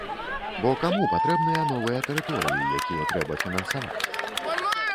Бо каму патрэбныя новыя тэрыторыі, якія трэба фінансаваць?